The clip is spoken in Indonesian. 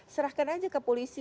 serahkan aja ke polisi